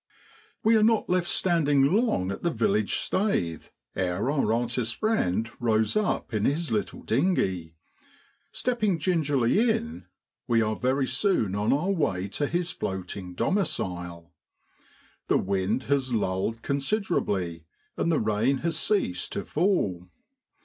##*##*# We are not left standing long at the village staith ere our artist friend rows up in his little dinghy; stepping gingerly in, we are very soon on our way to his floating domicile. The wind has lulled considerably, and the rain has ceased to fall.